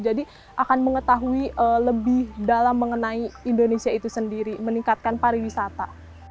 jadi akan mengetahui lebih dalam mengenai indonesia itu sendiri meningkatkan pariwisata